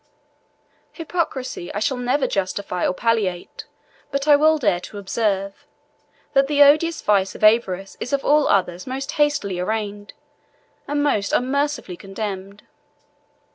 Hypocrisy I shall never justify or palliate; but I will dare to observe, that the odious vice of avarice is of all others most hastily arraigned, and most unmercifully condemned.